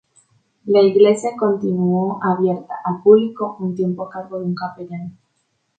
La iglesia continuó abierta al público un tiempo a cargo de un capellán.